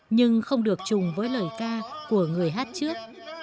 nhưng không được chùng với lời ca của người hát trước